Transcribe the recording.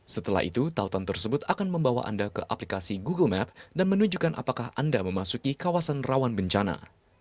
setelah itu tautan tersebut akan membawa anda ke aplikasi google map dan menunjukkan apakah anda memasuki kawasan rawan bencana